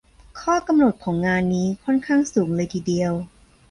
ข้อกำหนดของงานนี้ ค่อนข้างสูงเลยทีเดียว